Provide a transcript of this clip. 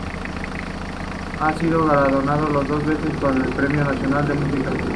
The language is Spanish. Ha sido galardonado dos veces con el Premio Nacional de Música.